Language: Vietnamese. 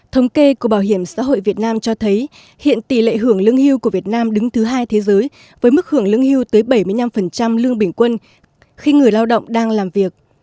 thống kê của bảo hiểm xã hội việt nam cho thấy hiện tỷ lệ hưởng lương hưu của việt nam đứng thứ hai thế giới với mức hưởng lương hưu tới bảy mươi năm lương bình quân khi người lao động đang làm việc